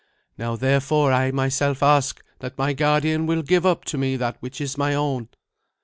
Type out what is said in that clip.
Now, therefore, I myself ask that my guardian will give up to me that which is my own."